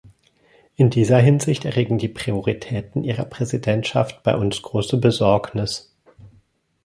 In dieser Hinsicht erregen die Prioritäten Ihrer Präsidentschaft bei uns große Besorgnis.